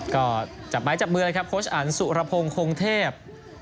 ก็จับไม้จับมือเลยครับโค้ชอันสุรพงศ์คงเทพ